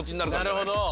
なるほど！